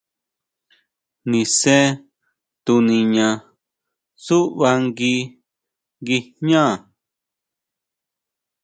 Nise tuniña tsúʼba ngui guijñá.